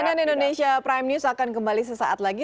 cnn indonesia prime news akan kembali sesaat lagi